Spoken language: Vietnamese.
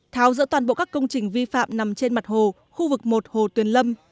tháo rỡ toàn bộ các công trình vi phạm nằm trên mặt hồ khu vực một hồ tuyền lâm